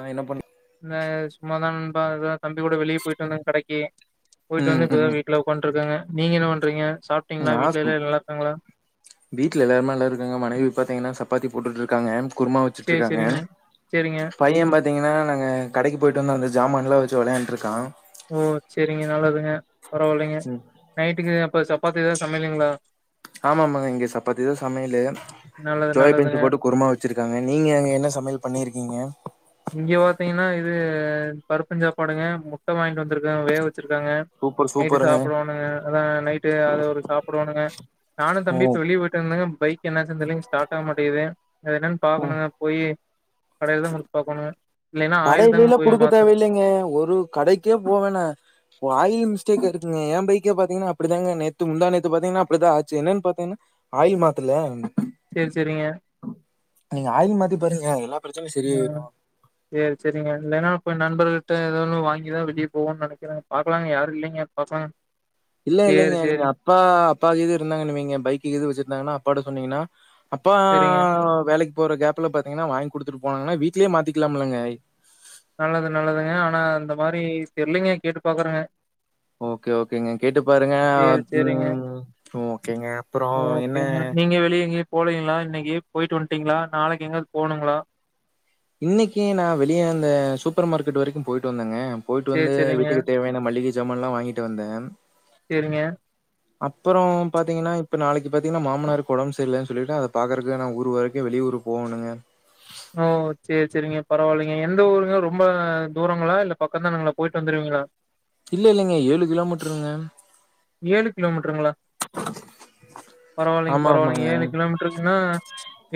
ஆ என்ன பண் நா சும்மாதா நண்பா அதா தம்பி கூட வெளிய போய்ட்டு வந்த கடைக்கி போய்ட்டு ம் வந்து இப்பதா ம் வீட்ல ஒக்கான்ட்ருக்க நீங்க என்ன பண் றீங்க நா சும் வீட்ல எல்லாருமே நல்லா இருக்காங்க மனைவி பாத்தீங்கன்னா சப்பாத்தி போட்டுட்ருக்காங்க குருமா சேரி வெச்சுட்ருக்காங்க சேரிங்க சேரிங்க பைய பாத்தீங்கன்னா நாங்க கடைக்கு போய்ட்டு வந்த அந்த ஜாமான ல்லா வெச்சு வெளயாண்ட்ருக்கா ஓ செரிங்க நல்லதுங்க பரவால்லைங்க ம் நைட்டுக்கு இப்ப சப்பாத்திதா சமையலுங்ளா ஆமாம்மாங்க இங்க சப்பாத்திதா சமையலு நல்லது சோயா பீன்ஸ் நல்லதுங்க அ போட்டு குருமா வெச்சிருக்காங்க நீங்க அங்க என்ன சமையல் பண்ணிருக்கீங்க அஹ் பருப்புஞ்சாப்பாடுங்க முட்ட வாங்கிட்டு வந்துருக்க வே ச்சூருக்காங்க சூப்பர் நைட்டு சூப்பருங்க சாப்டோனுங்க அதான் நைட்டு அத ஒரு சாப்டோனுங்க நானு தம்பி ஓ இப்ப வெளிய பொய்ட்டுருந்தங்க பைக் என்னாச்சு தெர்லங் ஸ்டார்ட் ஆவ மாட்டேகுது அது என்னன் ம் பாக்கணுங்க போய்யி கடைல் தா [unintelligible] [unintelligible] ஆயில் தாங்க கடைலல போய் குடுக்க மாத்தணு தேவல்லைங்க ஒரு கடைக்கே போவேனா ஆயில் மிஸ்டேக் இரு யேன் பைக்கே பாத்தீங்ன்னா அப்டிதாங்க நேத்து முந்தா நேத்து பாத்தீங்ன்னா அப்டிதா ஆச்சு என்னன் பாத்தீங்ன்னா ஆயில் மாத்தல்ல சேரி சேரிங்க நீங்க ஆயில் மாத்தி பாருங்க எல்லா பிரச்சனையு செரியாய்ரோம் செரிங்க இல்லன்னா அப்ப நண்பர்கிட்ட ஏதோ ன்னு வாங்கிதா வெளிய போவோ நனைக்கிற பாக்கலாங்க யார் இல்லைங்க பாக்கலா இல்ல இல்லைங்க நீங்க அப்பா அப்பா எது இருந்தாங்கன்னு வெய்ங்க பைக்கு‌ எது வச்சிருந்தாங்கன்னா போட சொன்னீங்கன்னா அப்பா சேரிங்க வேலைக் இப்போ ஒரு கேப்ல பாத்தீங்கன்னா வாங்கி குடுத்துட்டு போனங்கனா வீட்லயே மாத்திக்கலாம் இல்ங்க நல்லது நல்லதுங்க ஆனா அந்த மாரி தெரியிலங்க கேட்டு பாக்குறங்க ஓகே ஓகேங்க கேட்டு பாருங்க சேரி சேரிங்க உம் ஓகேங்க அப்புறம் என்ன ஓகேங்க நீங்க வெளிய எங்கயு போலீங்களா இன்னைக்கு போயிட்டு வந்ட்டீங்களா நாளைக்கு எங்கயாவது போகணுங்களா இன்னக்கி நா வெளியே இந்த சூப்பர் மார்க்கெட் வரைக்கும் போயிட்டு வந்தேங்க போயிட்டு சேரி வந்து சேரிங்க வீட்டுக்கு தேவையான மளிகை ஜமான்ல்லா வாங்கிட்டு வந்தேன் சேரிங்க அப்புறோ பாத்தீங்கன்னா இப்ப நாளைக்கு பாத்தீங்கன்னா மாமனார்க்கு ஓடம்பு செரியலன்னு சொல்லிட்டு அத பாக்குறக்கு நான் ஊர் வரைக்கும் வெளியூர் போகணுங்க ஓ சேரி சேரிங்க பரவாயில்லைங்க எந்த ஊருங்க ரொம்ப தூரங்களா இல்ல பக்க்தான்ங்கள போயிட்டு வந்துருவீங்களா இல்ல இல்லலைங்க ஏழு கிலோ மீட்டருங்க ஏழு கிலோ மீட்டருங்களா பரவாயில்லைங்க ஆமா பரவாயில்லைங்க ஆமாங்க ஏழு கிலோ மீட்டருன்ன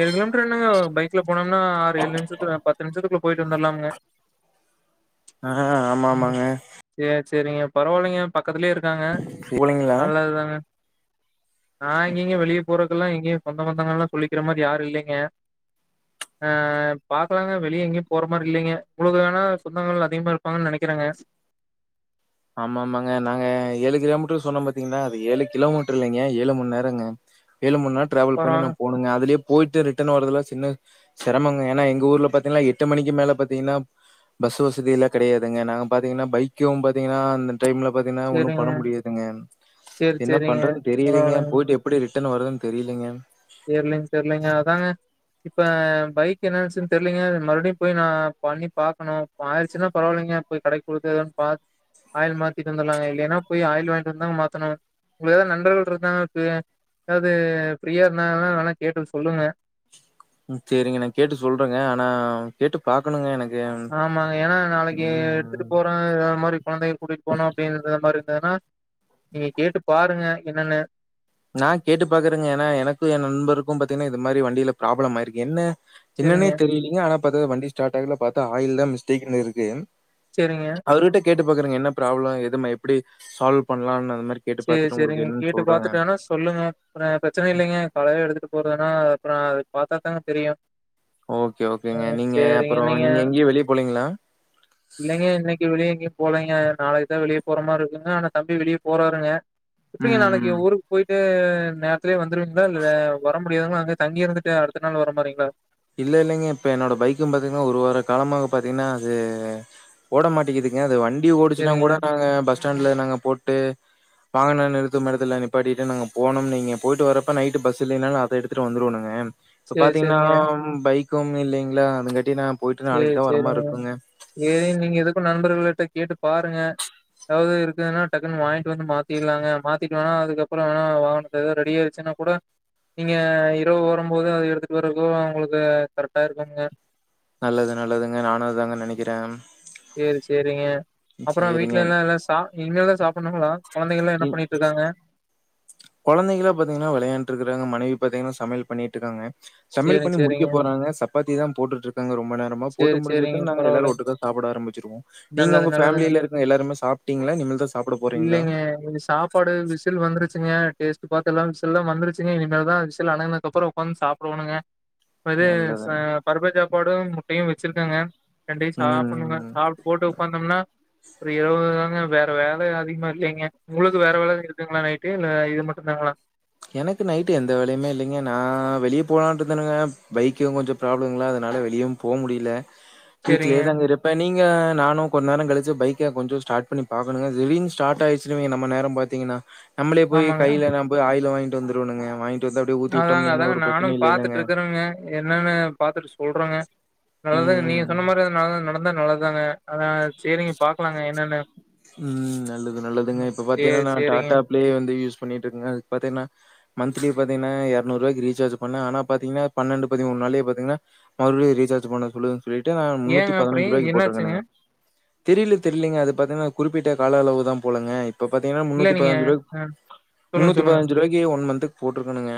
ஏழு கிலோ அப்புறோ என்னங்க பைக்ல போனம்னா ஆறு ஏழு நிமிஷத்துல பத்து நிமிஷத்துக்குள்ள போயிட்டு வந்துலாமங்க ச்சு ஆ ஆமா ம் ஆமாங்க சேரி சேரிங்க பரவாலைங்க பக் துலேயே இருக்காங்க போலீங்களா நல்லது தாங்க நா இங்கயெங்க வெளியே போறக்கு எல்லா எங்கேயு சொந்த பந்தங்கள் எல்லா சொல்லிக்கிற மாரி யாரு இல்லைங்க ஆஹ் பாக்கலாங்க வெளியே எங்கேயு போற மாரி இல்லைங்க உங்களுக்கு வேணா சொந்தங்கள் அதிகமா இருப்பாங்கன்னு நினைக்கிறங்க ஆமா ஆமாங்க நாங்க ஏழு கிலோமீட்டர் சொன்னோ பாத்தீங்கன்னா அது ஏழு கிலோமீட்டர் இல்லைங்க ஏழு மணி நேரம்ங்க ஏழு மணி நேரோ ட்ராவல் பண்ணி பரவால நா போகனுகுங்க அதலயே போயிட்டு ரிட்டர்ன் வர்றதுல சின்ன சிரமங்க ஏன்னா எங்க ஊர்ல பாார்த்தீங்கன்னா எட்டு மணிக்கு மேல பார்த்தீங்கன்னா பஸ் வசதி எல்லா கிடையாதுங்க நாங்க பார்த்தீங்கன்னா பைக்கு தீங்கன்னா டைம்ல பாத்தீங்கன்னா ஒன்னு சரிங்க. பண்ண முடியாதுங்க சரி, என்ன சரிங்க. பண்றதுன்னு தெரியலங்க பரவாயில்லைங்க. போயிட்டு எப்படி ரிட்டன் எத்தன வருதுன்னு தெரியல்லைங்க தெரியலங்க தெரியலங்க அதாங்க இப்ப பைக் என்னச்சுன்னு தெரியலீங்க மறுபடியு போய் நா பண்ணி பாக்கணு ஆயிடுசின்னா பரவாயில்லைங்க போய் கடைக்கு போயிட்டுன்னு ஆயில் மாத்திட்டு வந்துர்லாங்க இல்லலைன்னா போய் ஆயில் வாங்கிட்டு இருந்தாங்க மாத்தணு உங்களுக்கு ஏதாவது நண்பர்கள் இருந்தாங்க யாரவது ப்ரியா ருந்தங்கனா நல்லா கேட்டு சொல்லுங்க ம் சேரிங்க நா கேட்டு சொல்றேங்க ஆனா கேட்டு பாக்கணுங்க எனக் ஆமாங்க ஏன்னா நாளைக்கு எடுத்துட்டு போறேன்ற மாரி குழந்தைகள கூட்டிட்டு போனோ அப்படின்ற மாதிரி அதா நா நீங்க கேட்டு பாருங்க என்னன்னு நா கேட்டு பாக்குறேங்க ஏனா எனக்கு என் நண்பருக்கு பாத்தீங்கா இது மாரி வண்டியில ப்ராப்ளம் ஆயிருக்கு என்ன என்னன்னே செரிங்க தெரிலீங்க ஆனா பாதா வண்டி ஸார்ட் ஆகல பாதா ஆயில் தா மிஸ்டேக்குனு இருக்கு செரிங்க அவர்கிட்ட கேட்டு பாக்குறங்க என்ன ப்ராப்ளம் எது எப்படி சால்வ் பண்ணலானு இந்த மாரி கேட்டு சேரி பாத்துட்டு உங்களுக்கு செரிங்க என்னன்னு கேட்டு சொல்றங்க பாத்துட்டு வேணா சொல்லுங்க பிர பிரச்சன இல்லைங்க காலைல எடுத்துட்டு போறதுன்னா அப்ரோ அது பார்த்தாதாங்க தெரியு ஓகே ஆ ஓகேங்க நீங்க சேரிங்க அப்ரோ நீங்க எங்கயு வெளிய போலீங்களா போலீங்க நாளைக்கு தா வெளியே போற மாரி இருக்குங்க ஆனா தம்பி வெளிய போற [unintelligible] ப்படிங்க ம், நாளைக்கு ம். ஊருக்கு போயிட்டு [unintelligible] நேரத்துலியே வந் துருந்தா வாஹ் வர முடியாதுங்க அங் தங்கி இருந்துட்டு அடுத்த நாள் வர மாரிங்களா இல்ல இல்லைங்க இப்ப என்னோட பைக்கும் பாத்தீங்கன்னா ஒரு வார காலமா பாத்தீங்கன்னா அது ஓட மாட்டிக்கிதுங்க அது வண் டி ஓடுச்சன்னா சேரிங்க கூட நாங்க பஸ் ஸ்டேண்டுல நாங்க போட்டு வாகன நிறுத்தும் இடத்தில நிப்பாடிட்டு நாங்க போனோம்னு வைங்க போயிட்டு வரப்போ நைட்டு பஸ் இல்லைனாலு அத எடுத்துட்டு வந்துருவோ நாங்க இப்ப சேரி பாத்தீங்கன்னா சேரிங்க பைக்கும் இல்லைங்களா அதுங்காட்டி நா போயிட்டு நாளைக்கு சேரி தா வர மாரி சேரிங்க இருக்குங்க சேரி நீங்க எதுக்கு நண்பர்கள கேட்டு பாருங்க எதாவுது இருக்குதுனா டக்குனு வாங்கிட்டு வந்து மாத்திர்லாங்க மாத்திட்டு வேணா அதுக்கப்புற வேணா வாகனத்த ஏதோ ரெடியாயிச்சுனா கூட நீங்க இரவு வரும் போது அத எடுத்துட்டு வரதுக்கு உங்களுக்கு கரெக்டா இருக்குங்க நல்லது நல்லதுங்க நானு அதாங்க நெனைக்கிறே சேரி சேரிங்க அப்புற சேரிங்க வீட்லெலா எல்லா சாப் இனிமேதா சாப்பன்னுங்களா கொழந்தைங்களா என்ன பண்ணிட்ருக்காங்க கொழந்தைங்களா பாத்திங்னா வெளையாண்ட்ருக்கறாங்க மனைவி பாத்திங்னா சமையல் பண்ணிட்ருக்காங்க சமையல் சேரி பண்ணி முடிக்க சேரிங்க போறாங்க சப்பாத்திதா போட்டுட்ருக்காங்க ரொம்ப நேரமா போட்டு சேரி சேரிங்க முடிச்சதுன் நாங்க எல்லாரு பரவாயில்லைங்க ஒட்டுக்கா சாப்பிட ஆரம்பிச்சிருவோ நீங்க நல்லது உங்க நல்லது ஃபேமிலில இருக்கவங்க எல்லாருமே சாப்ட்டிங்ளா இனிமேல்தா சாப்ட போறிங்ளா இல்லைங்க இது சாப்பாடு விசில் வந்துருச்சுங்க டேஸ்ட் பாத்து எல்லா விசில்லா வந்துருச்சுங்க இனிமேல்தா விசில் அடங்குனதுகப்பற உக்காந்து சாப் சாப்பட்டு டோணுங்க அது ச நல்லது பருப்பு சாப் பாடும் முட்டையு வெச்சிருக்கங்க ரெண்டையு சாப்டன்னுங்க ம் சாப்ட்டு போட்டு உக்காந்தம்னா ஒரு இருவது தாங்க வேற வேலை அதிகமா இல்லைங்க உங்களுக்கு வேற வேலை இருக்குதுங்ளா நைட்டு இல்ல இது மட்டுந்தாங்ளா எனக்கு நைட்டு எந்த வேலையுமே இல்லைங்க நா வெளிய போலான்ட்ருந்தனுங்க பைக்கு கொஞ்ச ப்ராப்ளங்ளா அதனால வெளியுவு போ முடில சேரிங்க வீட்லயேதாங் இருப்ப நீங் இங்க நானு கொஞ்சநேரம் கழிச்சு பைக்க கொஞ்சோ ஸ்டார்ட் பண்ணி பாக்கணுங்க திடீர்ன்னு ஸ்டார்ட் ஆயிச்சினு வைங்க நம்ம நேரம் பாத்தீங்கனா நம்பளே போய் ஆமாங்க கையில நம்ப ஆயி ல வாங்கிட்டு வந்துருவனுங்க வாங்கி அதாங்க அதாங்க நானு பாத்துட்டு இருக்கறங்க என்னன்னு பாத்துட்டு சொல் றங்க நல்லதுதாங்க நீங்க ம். சொன்ன மாரி அது நட நடந்தா நல்லது தாங்க அதா சேரிங்க பாக்கலாங்க எ ம் நல்லது நல்லதுங்க ம் இப்ப பாத்தீங்கனா சேரி நா சேரிங்க டாடா பிளே வந்து யூஸ் பண்ணிட்டு இருக்கேங்க அதுக்கு பாத்தீங்கனா மந்த் லி பாத்தீங்கனா எரநூறு ரூவாய்க்கு ரீசார்ஜ் பண்ண ஆனா பாத்தீங்கனா பன்னெண்டு, பதிமூணு நாள்லயே பாத்தீங்கனா மறுபடியு ரீசார்ஜ் பண்ண சொல்லுது சொல்லிட்டு நா முன்னூத்தி ஏங்க அப்டி பதினஞ்சு ரூவாய்க்கு என்னாச்சுங்க போட்டுருக்கனுங்க தெரில தெரிலிங்க அது அதா குறிப்பிட்ட கால அளவுதான் போலங்க இ இப்ப பாத்தீங்கன்னா இல்ல முன்னூத்தி நீங்க பதினாஞ்சு ரூவாய்க்கு அ சொல்லுங்க, முன்னூத்தி சொல்லுங்க. பதினாஞ்சு ரூவாய்க்கு ஒன் மந்த்க்கு போட்ருக்கனுங்க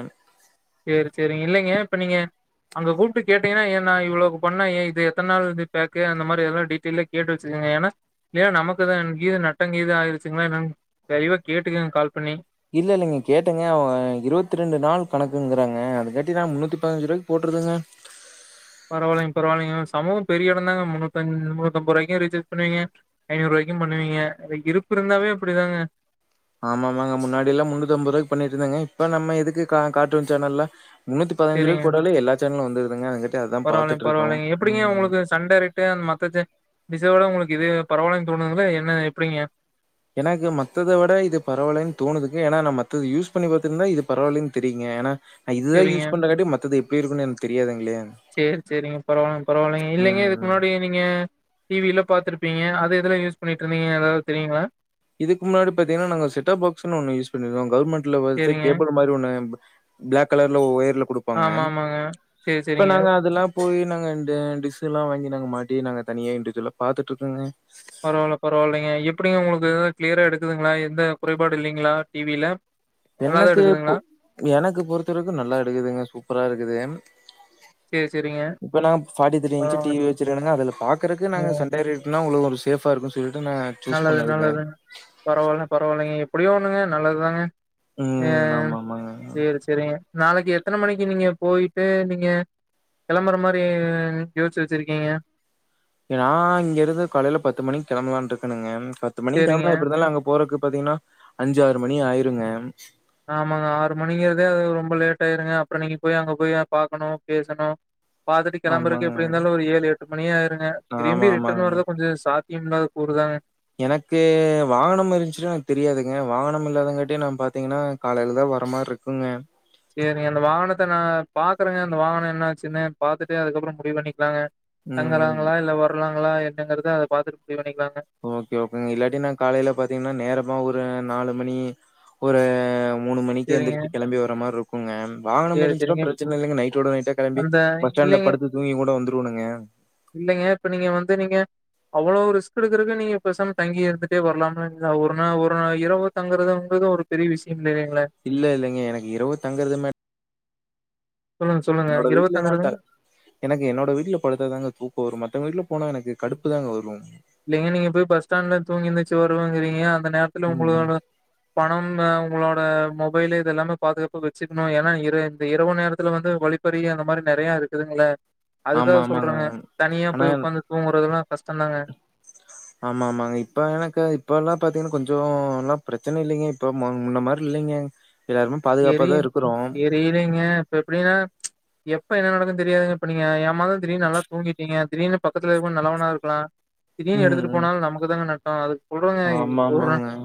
சேரி சேரிங்க இல்லங்க இப்ப நீங்க அங்க கூப்ட்டு கேட்டீங்கனா ஏ நா இவ்ளோவுக்கு பண்ணா ஏ இது எத்தன நாள் இது பேக்கு அந்த மாரி எல்லா டீட்டைல்டா கேட்டு வச்சுக்கங்க ஏன்னா இல்லயா நமக்குதா கீது நட்டங்கீது ஆகிருச்சுங்களா என்னன்னு தெளிவா கேட்டுக்கங்க கால் பண்ணி இல்ல இல்லலங்க கேட்டங்க அவங்க இருவத்து ரெண்டு நாள் கணக்குங்றாங்க அது கட்டி நா முன்னூத்தி பதினஞ்சு ரூவாய்க்கு போட்டுருந்தங்க பரவால்லைங்க பரவால்லைங்க, சமூகம் பெரிய எடம்தாங்க முந்நூத் முந்நூத்து ஐம்பது ரூவாய்க்கு ரீசார்ஜ் பண்ணுவீங்க ஐநூறு ரூவாய்க்கு பண்ணுவீங்க அது இருப்பு இருந்தாவே அப்டித்தாங்க ஆமாமாங்க முன்னாடி எல்லா முன்னூத்து ஐம்பது ரூவாய்க்கு பண்ணிட்டு இருந்தங்க இப்ப நம்ம எதுக்கு கார்ட்டூன் சேனல்லா முன்னூத்தி பதினந்து ரூவாய்க்கு போட்டாலே எல்லா சேனலு வந்துரு தூங்க அது கட்டி பரவால்ல பரவாயில்லைங்க, எப்டிங்க உங்களுக்கு சன் டேரைக்ட்டு அந்த மத்த சே டிஷ்சவிட உங்களுக்கு இது பரவாயில்லனு தோணுதுங்கா என்ன எப்டிங்க எனக்கு மத்தத விட இது பரவால்லைனு தோணுதுங்க ஏன்னா நா மத்தது யூஸ் பண்ணி பாத்திருந்தா இது பரவாயில்லைனு தெரியுங்க ஏனா செரிங்க தெரியாதுங்களே. செரி செரிங்க பரவா பரவாயில்லைங்க இல்லைங்க ம், இதுக ம். முன்னாடி நீங்க டிவில பாத்துருப்பீங்க அது எதுல யூஸ் பண்ணிட்டு இருந்தீங்க ஏதாது தெரிங்களா இதுக்கு முன்னாடி பாத்தீங்கன்னா நாங்க செட் ஆஃப் பாக்ஸ்னு ஒன்னு யூஸ் பண்ணி இருந்தோம் கவர்மெண்ட்ல வந்து சேரிங்க. கேபிள் மாரி ஒன்னு பிளாக் கலர்ல ஒயர் ல குடுப்பாங்க ஆமா ஆமாங்க. சேரி இப்ப சேரிங்க. நாங்க அதெல்லாம் போய் நாங்க இந்த டிஷ் எல்லா வாங்கி நாங்க மாட்டி நாங்க தனியா இன்டுஜுவல பாத்துட்டு இருக்கோங்க அதுலா கிளியரா எடுக்குதுங்களா எந்த குறைபாடும் இல்லங்களா டிவில நல்லாதான் எனக்கு இப்ப எடுக்குதுங்களா? எனக்கு பொறுத்தவரைக்கும் நல்லா எடுக்குதுங்க சூப்பரா இருக்குது சேரி சேரிங்க. இப்ப நா ஃபார்ட்டி த்ரீ இன்ச் பரவால்ல. டிவி வச்சிருக்கேங்க அதுல பாக்குறதுக்கு நாங்க ம். சன் டைரக்ட் நா உங்களுக்கு சேபா இருக்கும் நல்லது நல்லது பரவாயில்ல பரவாயில்லைங்க எப்பிடியும் சொல்லுங்க நல்லதுதாங்க ம் ஆமா ஆமாங்க சேரி சேரிங்க நாளைக்கு எத்தன மணிக்கு நீங்க போயிட்டு நீங்க கெளம்புற மாரி யோசிச்சு வச்சிருக்கீங்க நா இங்கருந்து காலையில பத்து மணிக்கு கெளம்பலான்னு இருக்கனுங்க பத்து மணி சேரிங்க. களம்புனா எப்டி இருந்தாலும் அங்க போறக்கு பாத்தீங்கன்னா அஞ்சாறு மணி ஆயிருங்க ஆமாங்க ஆறு மணிங்கிறதே அது ரொம்ப லேட் ஆயிருங்க அப்றோம் நீங்க போய் அங்க போய் பாக்கணும் பேசணும் பாத்துட்டு கிளம்புறக்கு ஆமாங்க எப்டி இருந்தாலும் ஒரு ஏழு எட்டு மணி ஆயிருங்க ஆமா திரும்பி ரிட்டன் ஆமாங்க வர்றது கொஞ்சம் சா இன்னொரு கூறுதாங்க எனக்கு வாகனம் இருந்துச்சுனா எனக்கு தெரியாதுங்க வாகனம் இல்லாதங்கட்டி நா பாத்தீங்கன்னா காலைலதா வர மாரி இருக்குங்க சேரிங்க அந்த வாகனத்த நா பாக்குறேங்க அந்த வாகனம் என்ன ஆச்சுன்னு பாத்துட்டு அதுக்கப்பறம் முடிவு பண்ணிக்கலாங்க ம் தங்கறாங்களா இல்ல வர்லாங் ங்களா என்னங்கறத அத பாத்துட்டு முடிவு பண்ணிக்கலாங்க ஓகே ஓகேங்க இல்லாட்டி நா காலையில பாத்தீங்கன்னா நேரமா ஒரு நாலு மணி ஒரு மூணு மணிக்கு சரிங்க. எந்திரிச்சு களம்பி வர மாரி இருக்கும் குங்க வாகனம் சரி, இருந்துச்சுனா சரிங்க. பிரச்சன இல்லைங்க நைட்டோட நைட்டா கிளம்பி அந்த பஸ் ஸ்டாண்ட்ல இல்லைங்க படுத்து தூங்கி கூட வந்துருவனுங்க இல்லைங்க. இப்ப நீங்க வந்து நீங்க அவ்ளோ ரிஸ்க் எடுக்றதுக்கு நீங்க பேசாம தங்கி இருந்துட்டே வரலாம்ல ஒரு ஒரு இரவு தங்குறதுங்குறது ஒரு பெரிய விஷயம் இல்லை இல்லைங்களே. இல்ல இல்லங்க எனக்கு இரவு தங்குறது மேட் சொல்லுங்க, சொல்லுங்க. என்னோட இரவு வீட்டுல தங்குறது நான் த எனக்கு என்னோட வீட்டு்ல படுத்தா தாங்க தூக்கம் வரும் மத்தவங்க வீட்ல போனா எனக்கு கடுப்பு தாங்க வரும் இல்லங்க நீங்க போய் பஸ்ஸ்டாண்ட்ல தூங்கி எந்திரிச்சு வருவங் கிறீங்க அந்த நேரத்ல ம் உங்களுக்கானு பணம் உங்களோட மொபைல் இது எல்லாமே பாதுகாப்பு வச்சுக்கணும் ஏன்னா இன் இந்த இரவு நேரத்துல வந்து வழிப்பறி அந்த மாதிரி நெறைய இருக்குதுங்களே ஆமா அதுக்காக ஆமாங்க சொல்றாங்க தனியா ஆனா போய் உக்காந்து தூங்கறதுலாம் கஷ்டம் தாங்க ஆமா ஆமாங்க இப்ப எனக்கு இப்ப எல்லா பாத்தீங்கன்னா கொஞ்சோ எல்லா பிரச்சன இல்லிங்க இப்ப முன்ன மாரி இல்லிங்க தெரி தெரியலிங்க இப்ப எப்டின்னா எப்ப என்ன நடக்கும்னு தெரியாதுங்க இப்ப நீங்க ஏமாந்து திடீர்னு நல்லா தூங்கிட்டீங்க திடீர்னு பக்கத்துல இருக்குறவன் நல்லவனா இருக்கலா திடீர்னு ம் எடுத்துட்டு ம் போனாலு நமக்கு தா நட் ஆஹ் அது ஆமா சொல்றங்க ஆமாங்க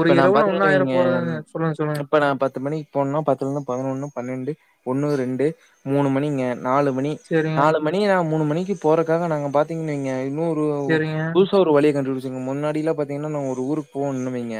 ஒரு இப்ப நான் இரவுல பாத்தீங்கன்னு ஒண்ணாயிர வைங்க போறதுல சொல்லுங்க சொல்லுங்க இப்ப நான் பத்து மணிக்கு போணோன்னா பத்துலிருந்து பதினொன்னு பன்னெண்டு ஒன்னு ரெண்டு மூணு மணிங்க நாலு மணி செரிங்க நாலு மணி நா மூணு மணிக்கு போறக்காக நாங்க பாத்தீங்கன்னா வைங்க இன்னொரு இன்னோரு செரிங்க புதுசா ஒரு வழிய கண்டு புடிச்சு முன்னாடி அப்டிலா பாத்தீங்கன்னா நாங்க ஒரு ஊருக்கு போகுனுன்னா வைங்க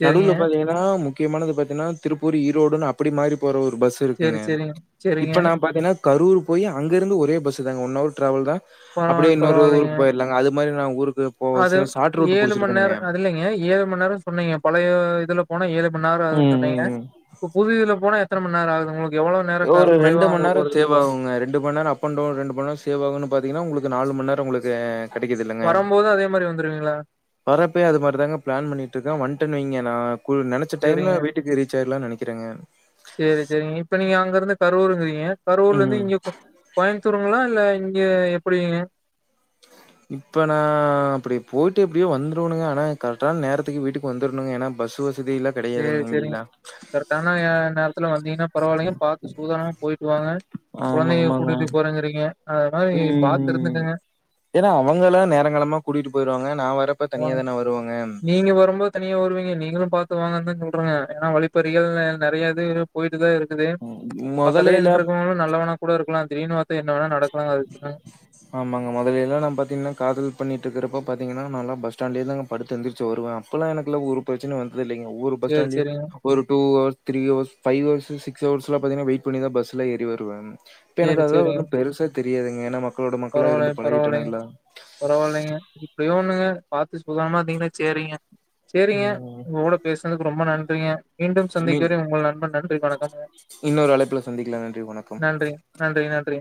செரிங்க நடுவுல பாத்தீங்கனா முக் முக்கியமானது பாத்தீங்கனா திருப்பூரு ஈரோடு அப்டி மாறி போற ஒரு பஸ் சேரி இருக்குங்க சேரிங்க சேரிங்க இப்ப நா பாத்தீங்கன்னா கரூர் போய் அங்கேருந்து ஒரே பஸ் தாங்க ஒன் அவர் ட்ராவல் தா பரவால அப்டியே இன்னொரு பரவாயில்லைங்க ஊருக்கு போயிர்லாங்க அது மாரி நா ஊருக் போ சில சாட் ரூட் மணி புடிச்சிருக்கனுங்க. நேரம் அதில்லிங்க ஏழு மணி நேரம் சொன்னீங்க பழைய உ இதுல போன ஏழு மணிநேரோ ஆகுனு ம், சொன்னீங்க ம், ம். இப்ப புது இதுல போன எத்தன மண்ணேர ஆகுது உங்களுக்கு எவ்ளோ நேரோ க ஒரு ரெண்டு குறைவா உங்களுக்கு மண்ணேரம் வருது சேவாகுங்க ரெண்டு மண்ணேநேரம் அப் அண்ட் டவுன் ரெண்டு மண்ணேரம் சேவ் ஆகு பாத்தீங்கன்னா உங்களுக்கு நாலு மண்ணேரம் உங்களுக்கு கெடைக்குது வரும்போது அதே மாரி வந்துருவீங்களா வரப்பயு அது மாரிதாங்க பிளான் பண்ணிட்டுருக்க வன்டன் வைங்க நா நெனச்ச டைம்ல சேரிங்க வீட்டுக்கு ரீச் ஆய்ரலனு நெனைகிற க்கிறங்க சேரி சேரிங்க இப்ப நீங்க அங்க இருந்து கரூரிங்கிறீங்க கரூர்ல இருந்து ம் இங்க கோய கோயம் ருங்களா இல்ல இங்க எப்பிடிங்க இப்ப நா அப்டி போயிட்டு எப்டியோ வந்துருவனுங்க ஆனா கரெக்டான நேரத்துக்கு வீட்டுக்கு வந்துருனங்க ஏன்னா பஸ்சு வசதி சேரி சேரிங்க கரக்டான்ன நேர்த்துல வந்தீங்ன்னா பரவாயில்லைங்க பாத்து சூதானமா போயிட்டு வாங்க ஆமா கொழந்தைய ஆமாங்க கூட்டிட்டு போறேங்கிறீங்க அது மாரி பாத்து ம் இருந்துக்கங்க ஏன்னா அவங்கலா நேரங்காலமா கூட்டிட்டு போயிருவாங்க நா வரப்ப தனியா தான வருவாங்க வாங்கத்தா சொல்றாங்க ஏன்னா வழிப்பறிகள் நெறைய இது போயிட்டு தா இருக்கு குது ம் பக்கத்துல மொதலைல நின்ட்டுருக்கவனு நல்லவனா கூட இருக்லா திடீனு பாத்தா என்னவேனா நட ஆமாங்க மொதல்ல எல்லா நம் பாத்தீங்கன்னா காதல் பண்ணிட்டுருக்குறப்போ பாத்தீங்கன்னா நா லா பஸ்டாண்ட்லேயே தா படுத்தெந்துர்ச்சு வருவே அப்பல்லா எனக்கு ஒரு ப்ரெச்சன வந்து ல்லா இல்லைங்க ஒவ்வொரு சரி, பஸ்டாண்லியு சரிங்க. ஒரு two hours three hours five hours சிக்ஸ்ஹர்ஸ்லா பாத்தீங்கனா வெயிட் பண்ணிதா பஸ்ல ஏறி வருவே இப்ப எனக்கு அதுல ஒண்ணும் பெருசா தெரியாதுங்க ஏன்னா மக்களோட மக்களா பரவாயில்ல இருந்து பரவாயில்லைங்க பழகிட்டேனுங்களா. பரவாயில்லைங்க எப்படியோ ஒண்ணுங்க பாத்து சூதானமா இருந்தீங்ன்னா சேரிங்க சேரிங்க ம். உங்ககூட பேசுனதுக்கு ரொம்ப நன் றிங்க மீண்டும் மீன் சந்திக்கிறே உங்கள் நண்பன் [unintelligible] [unintelligible] வணக்கம்ங்க இன்னொரு அழைப்புல சந்திக்லா நன்றி வணக்கம் நன்றிங்க, நன்றி, நன்றி.